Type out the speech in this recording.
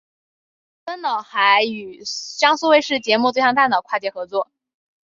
此外端脑还与江苏卫视节目最强大脑跨界合作。